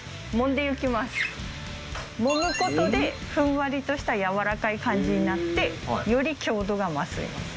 もむ事でふんわりとしたやわらかい感じになってより強度が増すんです。